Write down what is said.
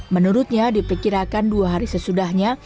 menurutnya diperkirakan dua hari sesudahnya